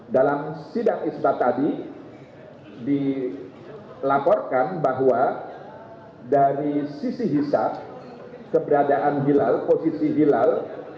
dalam sidang isbat tadi dilaporkan bahwa dari sisi hisap keberadaan hilal posisi hilal